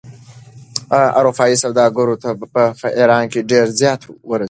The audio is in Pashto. اروپايي سوداګرو ته په ایران کې ډېر زیان ورسېد.